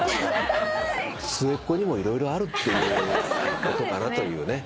末っ子にも色々あるっていうことかなというね。